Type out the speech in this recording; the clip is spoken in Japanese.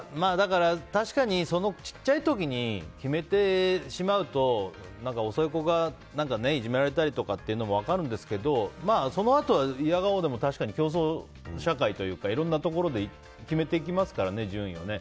確かに小さい時に決めてしまうと遅い子がいじめられたりとかいうのは分かるんですけどそのあとは否が応でも確かに競争社会というかいろんなところで決めていきますから、順位をね。